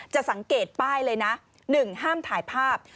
จะสังเกตป้ายเลยนะหนึ่งห้ามถ่ายภาพ